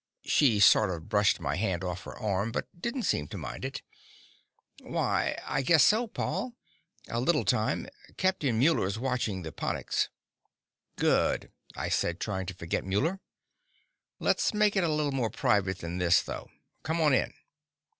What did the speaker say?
She sort of brushed my hand off her arm, but didn't seem to mind it. "Why, I guess so, Paul. A little time. Captain Muller's watching the 'ponics." "Good," I said, trying to forget Muller. "Let's make it a little more private than this, though. Come on in."